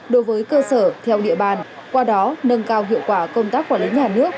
đối với cơ sở theo địa bàn qua đó nâng cao hiệu quả công tác quản lý nhà nước